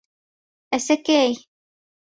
— Әсәкәй...